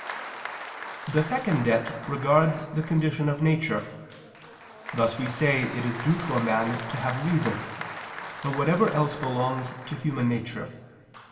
The second debt regards the condition of nature. Thus we say it is due to a man to have reason, and whatever else belongs to human nature.